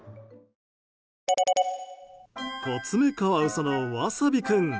コツメカワウソのワサビ君。